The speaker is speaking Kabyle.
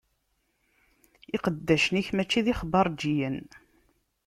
Iqeddacen-ik mačči d ixbaṛǧiyen.